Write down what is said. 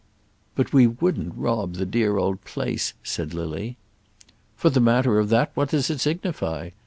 "But we wouldn't rob the dear old place," said Lily. "For the matter of that what does it signify?